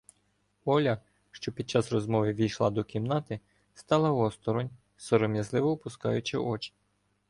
Оля, що підчас розмови ввійшла до кімнати, стала осторонь, сором'язливо опускаючи очі.